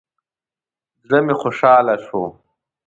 زړه مې خوشاله شو.